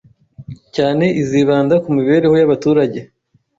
cyane izibanda ku mibereho y’abaturage.